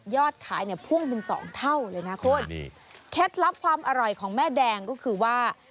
ยอดขายเนี้ยพ่วงเป็นสองเท่าเลยนะคุณครับดีแค้นลับความอร่อยของแม่แดงก็คือว่า